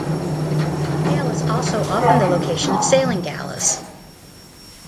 Dale is also often the location of sailing galas.